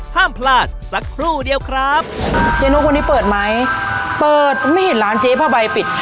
ห้ามพลาดสักครู่เดียวครับเจ๊นกวันนี้เปิดไหมเปิดไม่เห็นร้านเจ๊ผ้าใบปิด